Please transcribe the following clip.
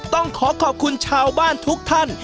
ต้องขอขอบคุณชาวบ้านทุกท่าน